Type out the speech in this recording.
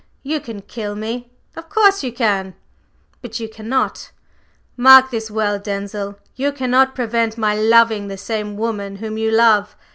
You can kill me of course you can; but you cannot mark this well, Denzil! you cannot prevent my loving the same woman whom you love.